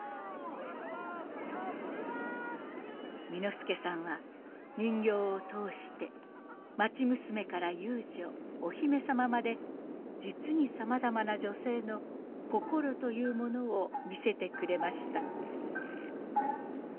簑助さんは人形を通して町娘から遊女お姫様まで実にさまざまな女性の心というものを見せてくれました。